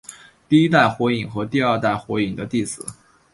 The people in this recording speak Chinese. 第一代火影和第二代火影的弟子。